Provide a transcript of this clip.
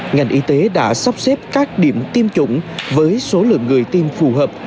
ngành y tế đã sắp xếp các điểm tiêm chủng với số lượng người tiêm phù hợp